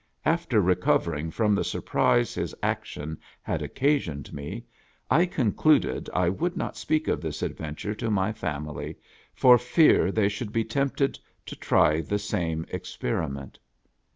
/\fter recovering from the surprise his action had occasioned me, I concluded I would not speak of this adventure to my family for fear they should be tempted to try the same experiment.